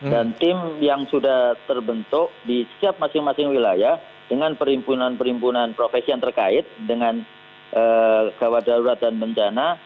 dan tim yang sudah terbentuk di setiap masing masing wilayah dengan perimpunan perimpunan profesi yang terkait dengan gawat darurat dan bencana